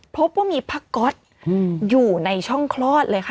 พบว่ามีผ้าก๊อตอยู่ในช่องคลอดเลยค่ะ